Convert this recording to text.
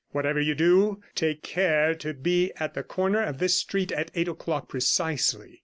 Whatever you do, take care to be at the corner of this street at eight o'clock precisely.